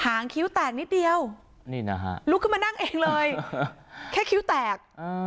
หางคิ้วแตกนิดเดียวนี่นะฮะลุกขึ้นมานั่งเองเลยแค่คิ้วแตก